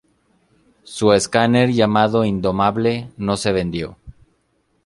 Su escáner, llamado "Indomable", no se vendió.